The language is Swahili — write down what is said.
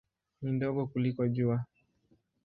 Ni ndogo kuliko Jua.